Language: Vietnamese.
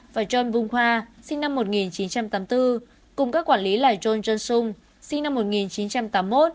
và john bung khoa sinh năm một nghìn chín trăm tám mươi bốn cùng các quản lý là john jong sung sinh năm một nghìn chín trăm tám mươi một